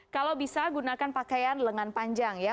kalau bisa gunakan pakaian lengan panjang ya